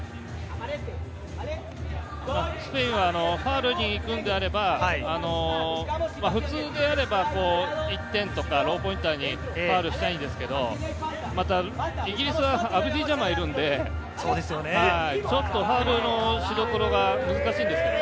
スペインはファウルに行くんであれば、普通であれば１点とかローポインターにファウルしたいんですけど、イギリスはアブディ・ジャマがいるので、ちょっとファウルのしどころが難しいですね。